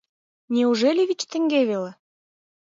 — Неужели вич теҥге веле?»